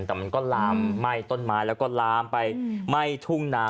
แต่มันก็ลามไหม้ต้นไม้แล้วก็ลามไปไหม้ทุ่งนา